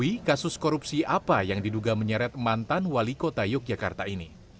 mengetahui kasus korupsi apa yang diduga menyeret mantan wali kota yogyakarta ini